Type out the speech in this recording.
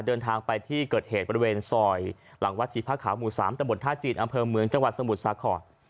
เดินทางไปที่เกิดเหตุบริเวณซอยหลังวัดชีผ้าขาวหมู่๓ตะบดท่าจีนอำเภอเมืองจังหวัดสมุทรสาคร